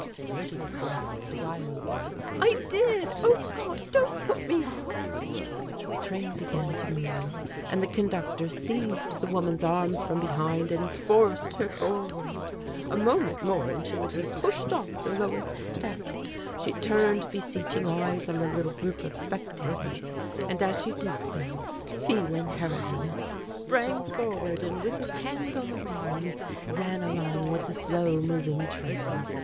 she cried wildly; "I did. Oh, God! don't put me off." The train began to move, and the conductor seized the woman's arms from behind and forced her forward. A moment more and she would be pushed off the lowest step. She turned beseeching eyes on the little group of spectators, and as she did so Phelan Harrihan sprang forward and with his hand on the railing, ran along with the slow moving train.